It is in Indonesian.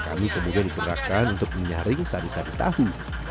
kami kemudian diperkenalkan untuk menyaring sari sari tahu